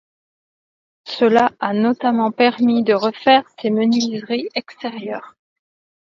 Cela a notamment permis de refaire ses menuiseries extérieures.